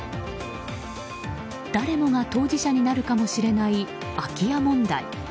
誰もが当事者になるかもしれない空き家問題。